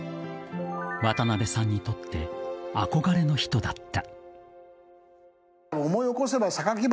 渡辺さんにとって憧れの人だった。